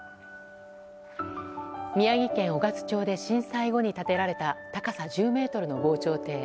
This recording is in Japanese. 宮城県雄勝町で震災後に建てられた高さ１０ｍの防潮堤。